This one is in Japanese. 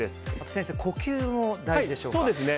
先生、呼吸はどうでしょうか？